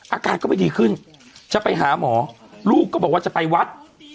อาการก็ไม่ดีขึ้นจะไปหาหมอลูกก็บอกว่าจะไปวัด